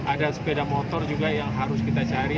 ada sepeda motor juga yang harus kita cari